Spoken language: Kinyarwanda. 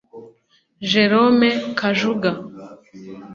Jérôme Kajuga